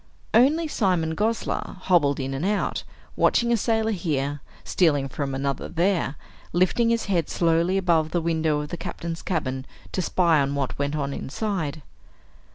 Only Simon Gosler hobbled in and out, watching a sailor here, stealing from another there, lifting his head slowly above the window of the Captain's cabin to spy on what went on inside.